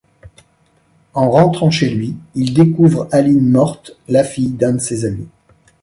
En rentrent chez lui, il découvre Aline morte, la fille d'un de ses amis.